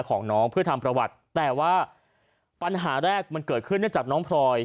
ของน้องเพื่อทำประวัติแต่ว่าปัญหาแรกมันเกิดขึ้นเนื่องจากน้องพลอย